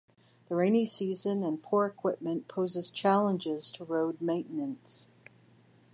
The rainy season and poor equipment pose challenges to road maintenance.